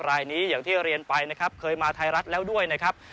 รายนี้อย่างที่เรียนไปนะครับเคยมาไทยรัฐแล้วด้วยนะครับ